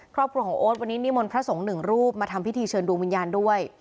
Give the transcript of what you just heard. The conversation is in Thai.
ครอบครัวของโอ๊ตวันนี้นิมนต์พระสงฆ์หนึ่งรูปมาทำพิธีเชิญดวงวิญญาณด้วย